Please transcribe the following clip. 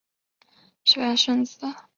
本名为赤坂顺子。